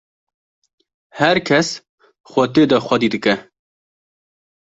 her kes xwe tê de xwedî dike